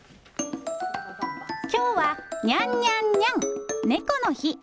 きょうはにゃんにゃんにゃん、猫の日。